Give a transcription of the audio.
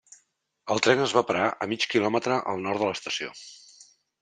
El tren es va parar a mig quilòmetre al nord de l'estació.